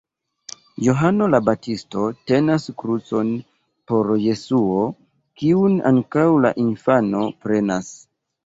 Johano la Baptisto tenas krucon por Jesuo, kiun ankaŭ la infano prenas.